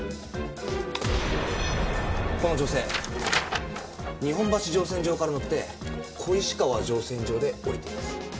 この女性日本橋乗船場から乗って小石川乗船場で降りています。